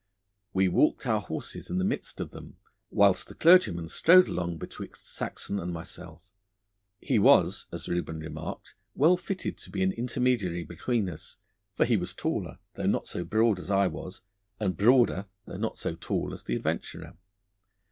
We walked our horses in the midst of them whilst the clergyman strode along betwixt Saxon and myself. He was, as Reuben remarked, well fitted to be an intermediary between us, for he was taller though not so broad as I was, and broader though not so tall as the adventurer.